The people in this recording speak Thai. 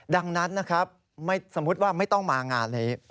ดังนั้นนะครับสมมุติว่าไม่ต้องมางานนี้